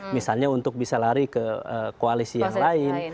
misalnya untuk bisa lari ke koalisi yang lain